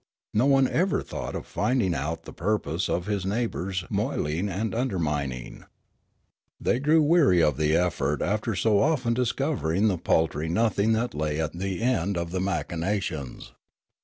No one ever thought of finding out the purpose of his neigh bour's moling and undermining. They grew weary of the effort after so often discovering the paltry nothing that lay at the end of the machinations.